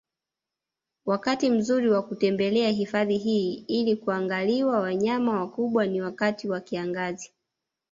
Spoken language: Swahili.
Wakati mzuri wa kutembelea hifadhi hii ili kuangaliwa wanyama wakubwa ni wakati wa kiangazi